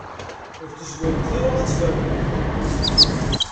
Ur tezmiremt ara ad tfernemt.